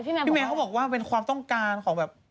พี่เมย์เขาบอกว่าเป็นความต้องการของแบบ